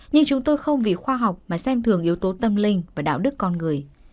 nhưng chúng tôi không vì khoa học mà xem thường yếu tố tâm linh và đạo đức con người